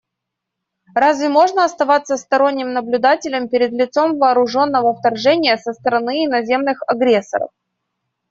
Разве можно оставаться сторонним наблюдателем перед лицом вооруженного вторжения со стороны иноземных агрессоров?